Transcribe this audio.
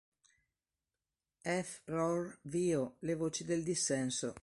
F. Rohr Vio, "Le voci del dissenso.